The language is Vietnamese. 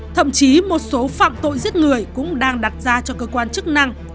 thậm chí một số phạm tội giết người cũng đang đặt ra cho cơ quan chức năng